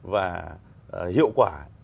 và hiệu quả